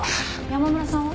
山村さんは？